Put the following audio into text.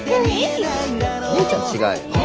姉ちゃん違うよね？